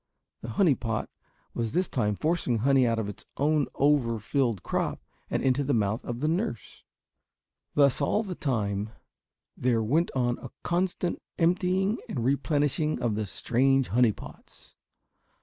The honey pot was this time forcing honey out of its own over filled crop and into the mouth of the nurse. Thus all the time there went on a constant emptying and replenishing of the strange honey pots.